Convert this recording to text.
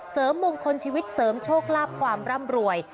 มงคลชีวิตเสริมโชคลาภความร่ำรวย